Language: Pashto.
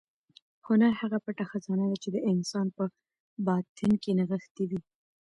هنر هغه پټه خزانه ده چې د انسان په باطن کې نغښتې وي.